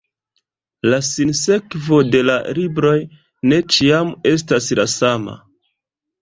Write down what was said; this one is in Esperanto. La sinsekvo de la libroj ne ĉiam estas la sama.